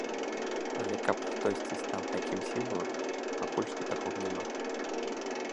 Але, каб хтосьці стаў такім сімвалам, пакуль што такога няма.